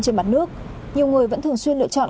trên mặt nước nhiều người vẫn thường xuyên lựa chọn